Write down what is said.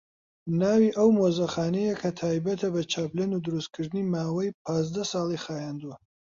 ناوی ئەو مۆزەخانەیە کە تایبەتە بە چاپلن و دروستکردنی ماوەی پازدە ساڵی خایاندووە